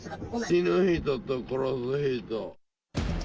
死ぬ人と殺す人。